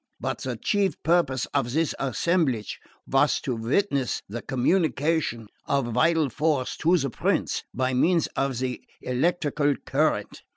But the chief purpose of this assemblage was to witness the communication of vital force to the prince, by means of the electrical current.